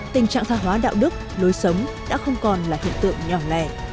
tình trạng tha hóa đạo đức lối sống đã không còn là hiện tượng nhỏ lẻ